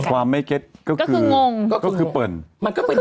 ความไม่เก็ตก็คือเป็นงง